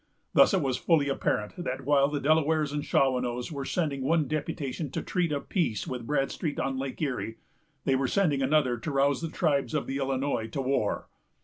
Thus it was fully apparent that while the Delawares and Shawanoes were sending one deputation to treat of peace with Bradstreet on Lake Erie, they were sending another to rouse the tribes of the Illinois to war.